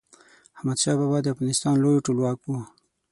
احمد شاه بابا د افغانستان لوی ټولواک و.